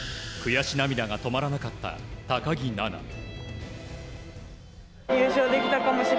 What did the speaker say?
悔し涙が止まらなかった高木菜那。